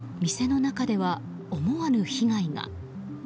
しかし、店の中では思わぬ被害が。